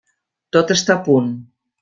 Tot està a punt.